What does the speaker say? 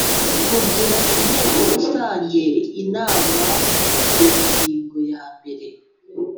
Kugira Inteko Rusange inama ku ngingo yambere